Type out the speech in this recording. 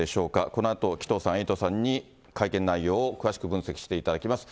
このあと、紀藤さん、エイトさんに会見内容を詳しく分析していただきます。